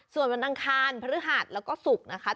ส่วนวันนังคารภรรยาธิ์และก็สุภกษ์